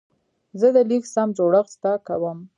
زه د لیک سم جوړښت زده کوم.